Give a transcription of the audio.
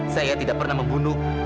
saya tidak pernah melakukan hal itu